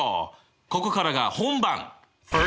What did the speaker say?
ここからが本番！